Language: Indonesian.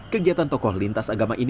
kegiatan tokoh lintas agama ini akan berjalan